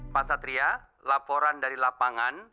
pasatria laporan dari lapangan